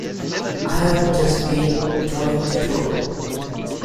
I've just been talking to Tom.